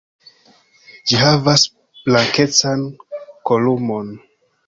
Ĝi havas blankecan kolumon.